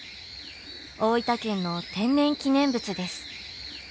大分県の天然記念物です。